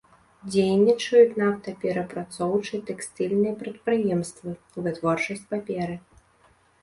Дзейнічаюць нафтаперапрацоўчыя, тэкстыльныя прадпрыемствы, вытворчасць паперы.